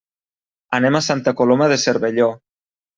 Anem a Santa Coloma de Cervelló.